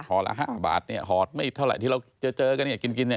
หอดละ๕บาทหอดไม่เท่าไหร่ที่เราเจอกันเนี่ยกินเนี่ย